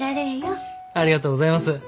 ありがとうございます。